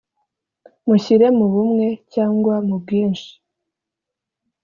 mushyire mu bumwe cyangwa mu bwinshi